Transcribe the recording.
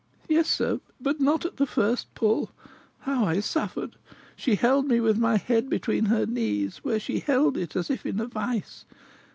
"Yes, sir; but not at the first pull. How I suffered! She held me with my head between her knees, where she held it as if in a vice.